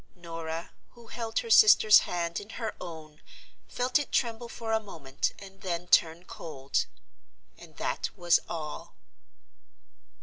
Norah, who held her sister's hand in her own, felt it tremble for a moment, and then turn cold—and that was all.